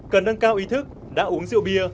cần nâng cao ý thức đã uống rượu bia